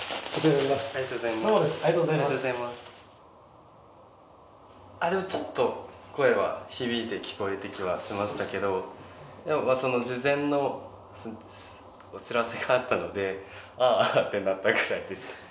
ございますありがとうございますありがとうございますあっでもちょっと声は響いて聞こえてきはしましたけどでもその事前のお知らせがあったのでああってなったぐらいです